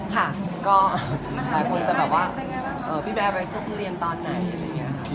ค่ะก็หลายคนจะแบบว่าพี่แบร์ไปสรุปเรียนตอนไหน